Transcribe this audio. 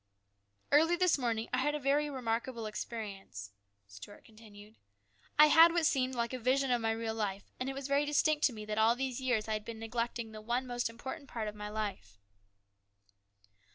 " Early this morning I had a very remarkable experience," Stuart continued. " I had what seemed like a vision of my real life, and it was very distinct to me that all these years I had been neglecting the one most important part of my life."